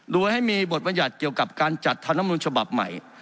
โดยให้มีบทบรรยัติเกี่ยวกับการจัดธรรมนุนฉบับใหม่